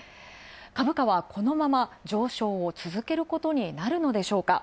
株価はこのまま上昇を続けることになるのでしょうか。